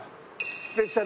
スペシャル